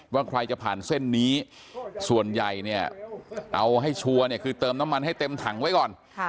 ว่าใครจะผ่านเส้นนี้ส่วนใหญ่เนี่ยเอาให้ชัวร์เนี่ยคือเติมน้ำมันให้เต็มถังไว้ก่อน